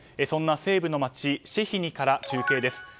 そんな西部の街、シェヒニから中継です。